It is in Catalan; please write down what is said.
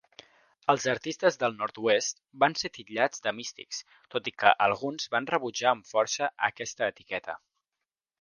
Els artistes del nord-oest van ser titllats de místics, tot i que alguns van rebutjar amb força aquesta etiqueta.